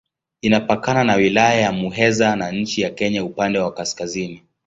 Inapakana na Wilaya ya Muheza na nchi ya Kenya upande wa kaskazini.